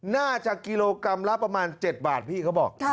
น่าจะกิโลกรัมละประมาณ๗บาทพี่เขาบอก